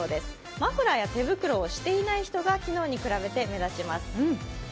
マフラーや手袋をしていない人が昨日に比べて目立ちます。